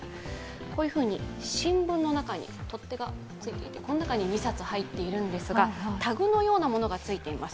こういうふうに、新聞の中にとってがついていてこの中に２冊入っているのですが、タグのようなものがついています。